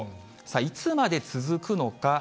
いつまで続くのか。